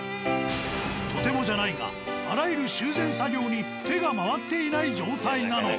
とてもじゃないがあらゆる修繕作業に手が回っていない状態なのだ。